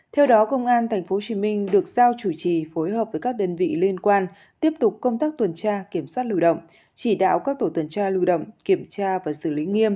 theo đó công an tp hcm được giao chủ trì phối hợp với các đơn vị liên quan tiếp tục công tác tuần tra kiểm soát lưu động chỉ đạo các tổ tuần tra lưu động kiểm tra và xử lý nghiêm